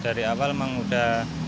dari awal memang udah